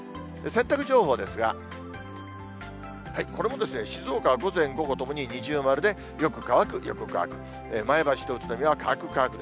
洗濯情報ですが、これも静岡は午前、午後ともに二重丸で、よく乾く、よく乾く。